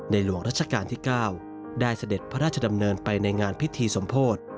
หลวงรัชกาลที่๙ได้เสด็จพระราชดำเนินไปในงานพิธีสมโพธิ